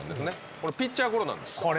これピッチャーゴロなんです。